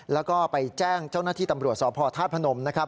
แล้วก็ไปแจ้งเจ้านาทีตำรวจเสาพ่อธาพนม